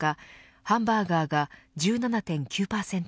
ハンバーガーが１７．９％